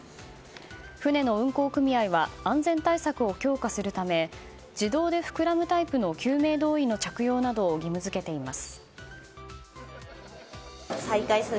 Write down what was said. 船の運航組合は安全対策を強化するため自動で膨らむタイプの救命胴衣の着用などを義務付けています。